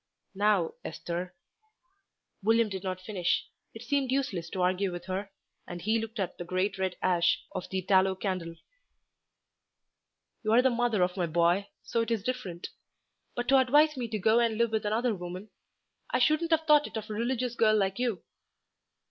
"Now, Esther " William did not finish. It seemed useless to argue with her, and he looked at the great red ash of the tallow candle. "You are the mother of my boy, so it is different; but to advise me to go and live with another woman! I shouldn't have thought it of a religious girl like you."